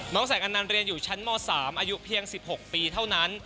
สายอันนั้นเรียนอยู่ชั้นม๓อายุเพียง๑๖ปีเท่านั้น